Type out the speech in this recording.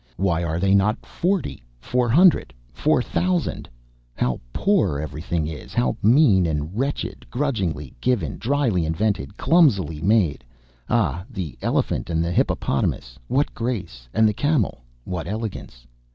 Why are they not forty, four hundred, four thousand! How poor everything is, how mean and wretched! grudgingly given, dryly invented, clumsily made! Ah! the elephant and the hippopotamus, what grace! And the camel, what elegance!